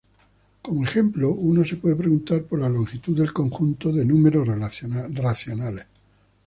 Como ejemplo, uno se puede preguntar por la longitud del conjunto de números racionales.